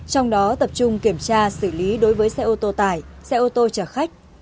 trong đó tập trung kiểm tra xử lý đối với xe ô tô tải xe ô tô chở khách